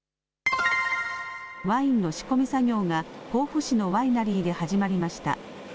ワインの仕込み作業が甲府市のワイナリーで始まりました。